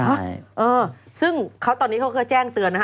ใช่เออซึ่งเขาตอนนี้เขาเคยแจ้งเตือนนะฮะ